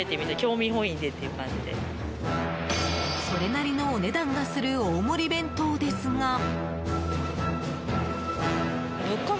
それなりのお値段がする大盛り弁当ですが。